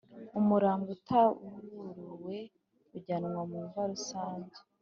umurambo utaburuwe ujyanwa mumva rusange.